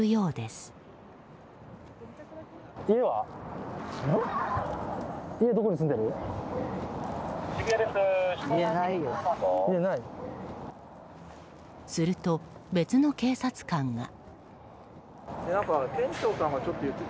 すると別の警察官が。